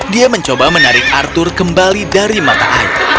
dia mencoba menarik arthur kembali dari mata air